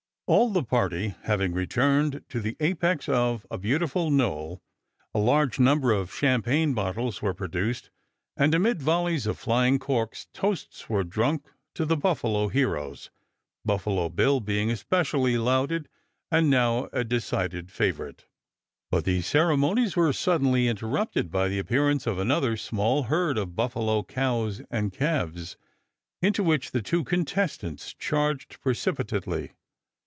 All the party having returned to the apex of a beautiful knoll, a large number of champagne bottles were produced, and amid volleys of flying corks toasts were drunk to the buffalo heroes, Buffalo Bill being especially lauded, and now a decided favorite. But these ceremonies were suddenly interrupted by the appearance of another small herd of buffalo cows and calves, into which the two contestants charged precipitately.